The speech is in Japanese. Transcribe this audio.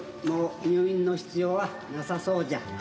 もう入院の必要はなさそうじゃ。